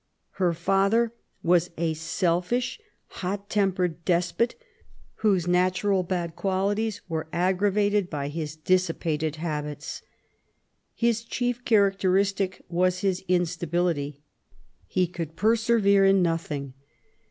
Her father was a selfish^ hot tempered despot, whose natural bad qualities were aggravated by his dissipated habits. His chief cha racteristic was his instability. He could persevere in nothing.